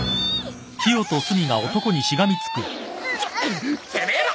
ちょってめえら！